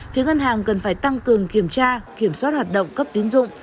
phía ngân hàng cần phải tăng cường kiểm tra kiểm soát hoạt động cấp tín dụng